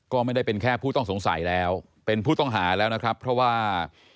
ก็ไม่ได้เป็นแค่ผู้ต้องสงสัยแล้วเป็นผู้ต้องหาแล้วนะครับเพราะว่า